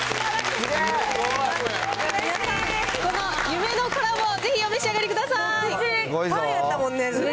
皆さん、この夢のコラボをぜひお召し上がりください。